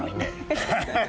ハハハハ！